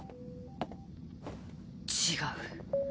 違う。